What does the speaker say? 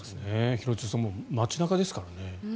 廣津留さん街中ですからね。